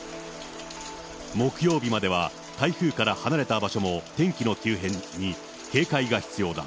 木曜日までは、台風から離れた場所も天気の急変に警戒が必要だ。